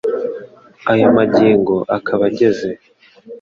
ayo magingo akaba ageze